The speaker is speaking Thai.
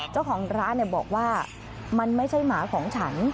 เจ้าของร้านบอกว่ามันไม่ใช่หมาของฉัน